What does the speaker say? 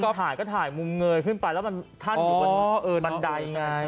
ก็ถ่ายก็ถ่ายมุมเงยขึ้นไปแล้วมันท่านอยู่บนบันไดไง